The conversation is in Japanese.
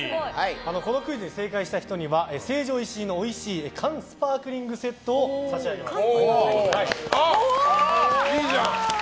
このクイズに正解した人には成城石井のおいしい缶スパークリングセットを差し上げます。